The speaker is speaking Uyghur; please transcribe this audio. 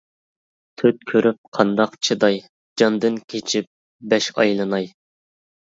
تۆت كۆرۈپ قانداق چىداي، جاندىن كېچىپ بەش ئايلىناي.